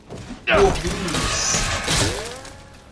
Morrinhos